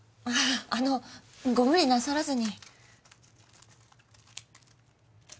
あのご無理なさらずに。